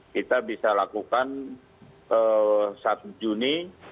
kita bisa lakukan satu juni